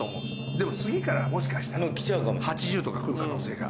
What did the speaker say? でも次からもしかしたら８０とか来る可能性が。